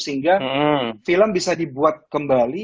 sehingga film bisa dibuat kembali